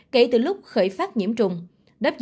kể từ lúc khởi phát nhiễm trùng